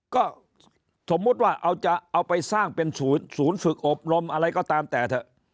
ก็สมมุติว่าจะเอาไปสร้างเป็นศูนย์ฝึกอบรมอะไรก็ตามแต่เถอะ